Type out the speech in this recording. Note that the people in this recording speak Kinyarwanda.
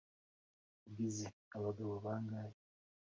wagize abagabo bangahe ?